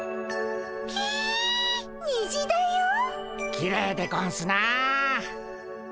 きれいでゴンスなあ。